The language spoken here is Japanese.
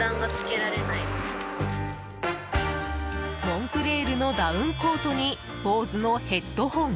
モンクレールのダウンコートにＢＯＳＥのヘッドホン。